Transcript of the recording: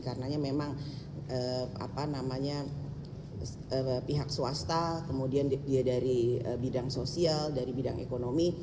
karena memang apa namanya pihak swasta kemudian dia dari bidang sosial dari bidang ekonomi